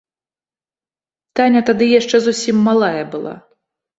Таня тады яшчэ зусім малая была.